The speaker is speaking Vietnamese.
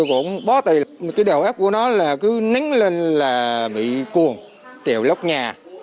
cái đầu ép của nó cứ nín lên là bị cuồng trèo lóc nhà